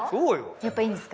やっぱいいんですか？